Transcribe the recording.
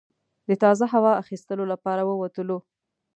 د تازه هوا اخیستلو لپاره ووتلو.